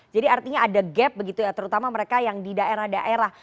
jadi artinya ada gap begitu ya terutama mereka yang di daerah daerah